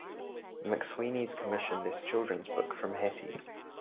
McSweeney's commissioned this children's book from Heti.